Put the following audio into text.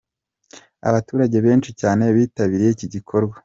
Abaturage benshi cyane bitabiriye iki gikorwa.